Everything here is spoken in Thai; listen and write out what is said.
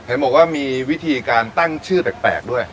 เห็นบอกว่ามีวิธีการตั้งชื่อแปลกด้วย